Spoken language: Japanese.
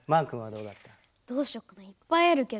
どうしよっかないっぱいあるけど。